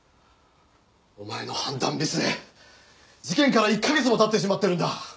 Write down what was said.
お前の判断ミスで事件から１カ月も経ってしまってるんだ。